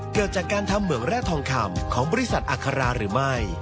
เกิดจากการทำเหมืองแร่ทองคำของบริษัทอัคราหรือไม่